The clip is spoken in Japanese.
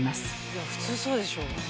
いや普通そうでしょ。